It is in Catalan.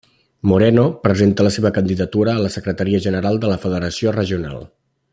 Moreno presenta la seva candidatura a la Secretaria General de la federació regional.